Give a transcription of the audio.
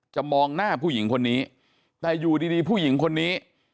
มองหน้าผู้หญิงคนนี้แต่อยู่ดีผู้หญิงคนนี้